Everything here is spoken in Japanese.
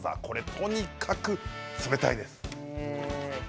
とにかく冷たいです。